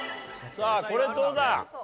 さあこれどうだ？